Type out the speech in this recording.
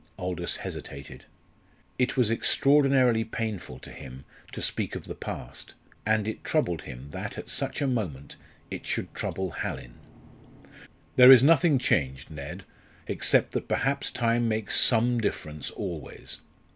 Aldous hesitated. It was extraordinarily painful to him to speak of the past, and it troubled him that at such a moment it should trouble Hallin. "There is nothing changed, Ned, except that perhaps time makes some difference always.